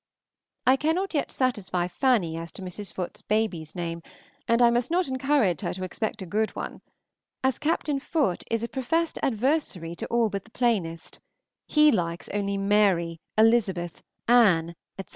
I cannot yet satisfy Fanny as to Mrs. Foote's baby's name, and I must not encourage her to expect a good one, as Captain Foote is a professed adversary to all but the plainest; he likes only Mary, Elizabeth, Anne, etc.